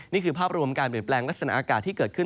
นี่คือภาพรวมการเปลี่ยนแปลงลักษณะอากาศที่เกิดขึ้น